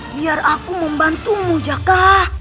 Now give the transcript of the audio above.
biar aku membantumu jakka